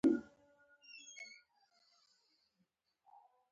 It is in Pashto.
د علم د پرمختګ لپاره د زده کړې او تجربې ګډول مهم دي.